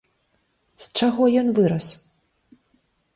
З чаго ён вырас?